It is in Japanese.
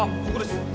ここです。